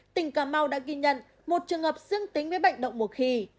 tỉnh cà mau đã ghi nhận một trường hợp dương tính với bệnh động mùa khi